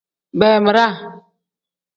Beemiraa.